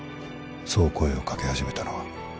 そう声をかけ始めたのは